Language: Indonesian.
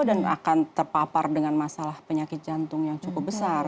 dan akan terpapar dengan masalah penyakit jantung yang cukup besar